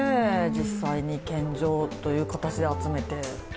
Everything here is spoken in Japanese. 実際に献上という形で集めて。